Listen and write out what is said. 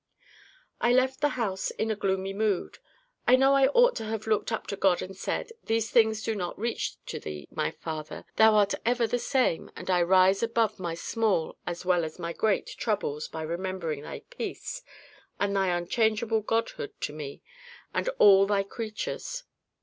I left the house in a gloomy mood. I know I ought to have looked up to God and said: "These things do not reach to Thee, my Father. Thou art ever the same; and I rise above my small as well as my great troubles by remembering Thy peace, and Thy unchangeable Godhood to me and all Thy creatures."